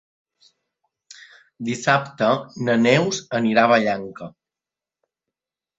Dissabte na Neus anirà a Vallanca.